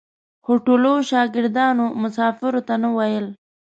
هوټلو شاګردانو مسافرو ته نه ویل.